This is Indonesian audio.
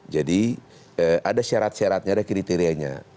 jadi ada syarat syaratnya ada kriterianya